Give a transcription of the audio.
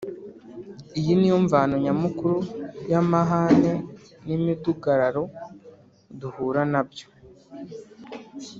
iyi ni yo mvano nyamukuru y’amahane n’imidugararo duhura na byo.